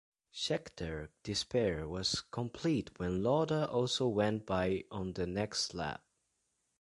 Scheckter's despair was complete when Lauda also went by on the next lap.